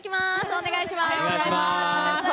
お願いします。